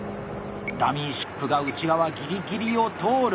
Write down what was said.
ダミーシップが内側ギリギリを通る。